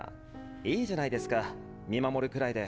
いいじゃないですか見守るくらいで。